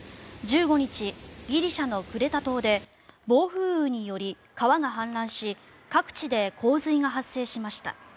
１５日、ギリシャのクレタ島で暴風雨により川が氾濫し各地で洪水が発生しました。